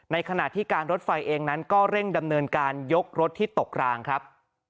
ขณะที่การรถไฟเองนั้นก็เร่งดำเนินการยกรถที่ตกรางครับ